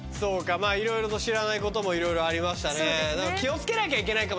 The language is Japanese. いろいろと知らないこともありましたね。